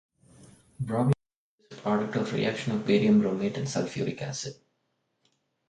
Bromic acid is the product of a reaction of barium bromate and sulfuric acid.